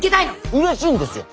うれしいんですよ。